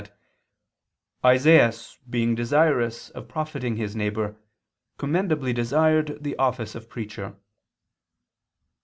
i, 7) that "Isaias being desirous of profiting his neighbor, commendably desired the office of preacher."